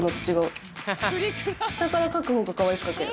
下から書く方がかわいく書ける。